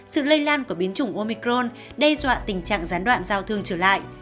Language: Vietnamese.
sự lây lan của biến chủng omicron đe dọa tình trạng gián đoạn giao thương trở lại